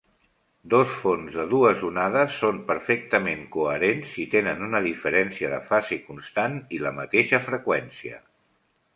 Dos fonts de dues onades són perfectament coherents si tenen una diferència de fase constant i la mateixa freqüència.